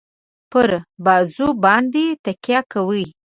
پر بازو باندي تکیه کوي.